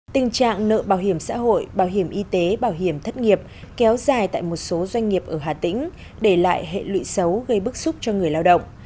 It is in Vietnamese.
tình trạng nợ bảo hiểm xã hội bảo hiểm y tế bảo hiểm thất nghiệp kéo dài tại một số doanh nghiệp ở hà tĩnh để lại hệ lụy xấu gây bức xúc cho người lao động